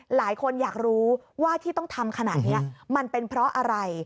หลายคนอยากรู้ว่าที่ต้องทำขนาดนี้มันเป็นเพราะอะไร